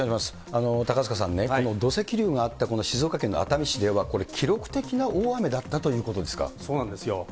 高塚さんね、土石流があったこの静岡県の熱海市では、これ、記録的な大雨だったということでそうなんですよ。